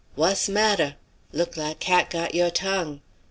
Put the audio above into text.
Whass matter? Look like cat got yo' tongue.